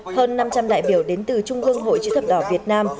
hơn năm trăm linh đại biểu đến từ trung ương hội chữ thập đỏ việt nam